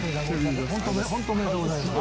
本当おめでとうございます。